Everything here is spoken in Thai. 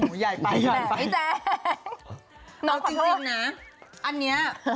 โอ้โฮใหญ่ไปแจ๊งน้องขอโทษเอาจริงนะอันนี้